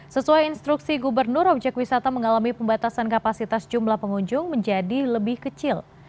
sesuai instruksi gubernur objek wisata mengalami pembatasan kapasitas jumlah pengunjung menjadi lebih kecil